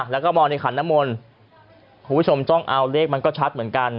แล้วก็มองในขันน้ำมนต์คุณผู้ชมจ้องเอาเลขมันก็ชัดเหมือนกัน